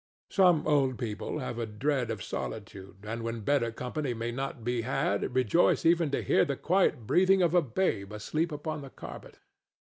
Some old people have a dread of solitude, and when better company may not be had rejoice even to hear the quiet breathing of a babe asleep upon the carpet.